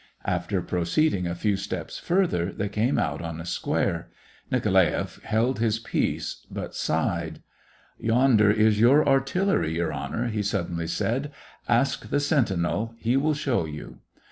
After proceeding a few steps further, they came out on a square. Nikolaeff held his peace, but sighed. SEVASTOPOL IN AUGUST. igj " Yonder is your artillery, Your Honor !" he suddenly said. "Ask the sentinel; he will show you."